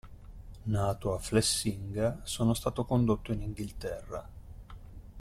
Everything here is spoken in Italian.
Nato a Flessinga, sono stato condotto in Inghilterra.